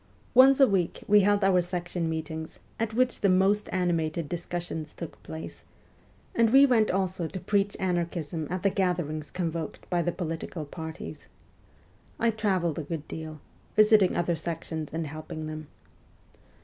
Once a week we held our section meetings, at which the most animated discussions took place, and we went also to preach anarchism at the gatherings convoked by the political parties. I travelled a good deal, visiting other sections and helping them.